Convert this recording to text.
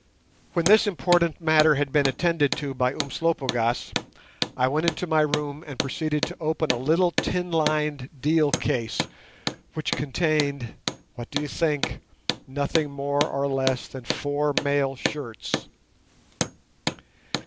When this important matter had been attended to by Umslopogaas, I went into my room and proceeded to open a little tin lined deal case, which contained—what do you think?—nothing more or less than four mail shirts.